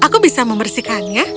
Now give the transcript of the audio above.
aku bisa membersihkannya